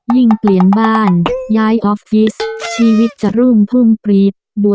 ยิ่งเปลี่ยนบ้านย้ายออฟฟิศชีวิตจะรุ่งพุ่งปรี๊ด